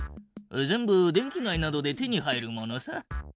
全部電気街などで手に入るものさ。